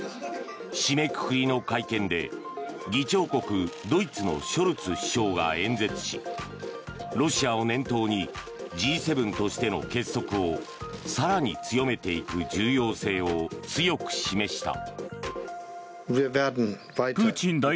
締めくくりの会見で議長国ドイツのショルツ首相が演説しロシアを念頭にＧ７としての結束を更に強めていく重要性を強く示した。